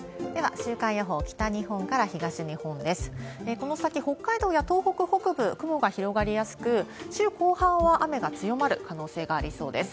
この先、北海道や東北北部、雲が広がりやすく、週後半は雨が強まる可能性がありそうです。